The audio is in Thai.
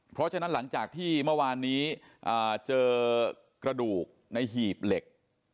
เพราะฉะนั้นหลังจากที่เมื่อวานนี้เจอกระดูกในหีบเหล็ก